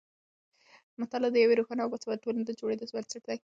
مطالعه د یوې روښانه او باسواده ټولنې د جوړېدو بنسټ دی.